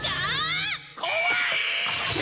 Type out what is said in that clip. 怖い！